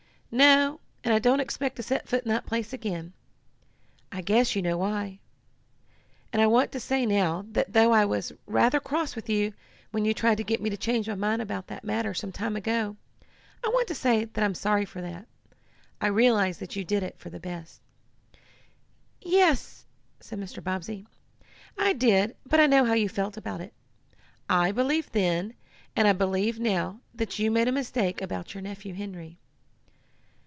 "No, and I don't expect to set foot in the place again. I guess you know why. And I want to say now, that though I was rather cross with you when you tried to get me to change my mind about that matter, some time ago, I want to say that I'm sorry for it. I realize that you did it for the best." "Yes," said Mr. Bobbsey, "I did, but I know how you felt about it. I believed then, and I believe now, that you made a mistake about your nephew Henry."